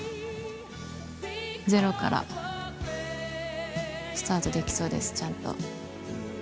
ゼロからスタートできそうですちゃんと。